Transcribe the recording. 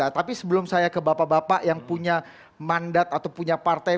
tapi sebelum saya ke bapak bapak yang punya mandat atau punya partai